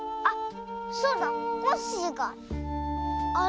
あっそうだ。